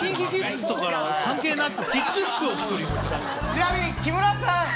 ちなみに木村さん。